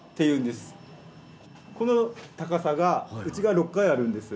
この高さが内側６階あるんです。